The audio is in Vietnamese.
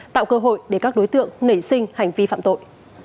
tạo cơ hội để các đối tượng nảy sinh hành vi phạm tội